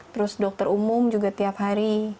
terus dokter umum juga tiap hari